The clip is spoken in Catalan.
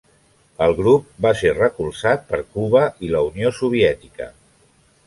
El grup va ser recolzat per Cuba i la Unió Soviètica.